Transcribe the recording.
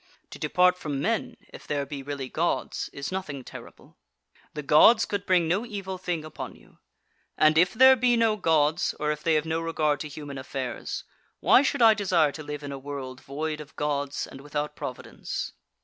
To depart from men, if there be really Gods, is nothing terrible. The Gods could bring no evil thing upon you. And if there be no Gods, or if they have no regard to human affairs, why should I desire to live in a world void of Gods and without Providence?